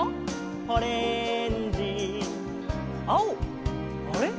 「オレンジ」「青あれ？